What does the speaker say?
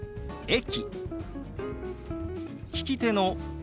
「駅」。